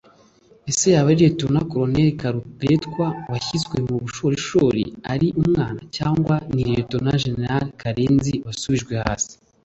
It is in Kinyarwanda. Ese yaba ari Lt Col Karuretwa washyizwe mu bushorishori ari umwana cyangwa ni Lt Gen Karenzi wasubijwe hasi